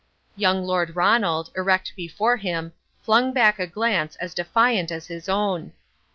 Young Lord Ronald, erect before him, flung back a glance as defiant as his own.